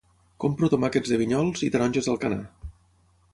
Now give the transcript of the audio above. Compro tomàquets de Vinyols i taronges d'Alcanar.